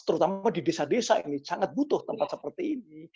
terutama di desa desa ini sangat butuh tempat seperti ini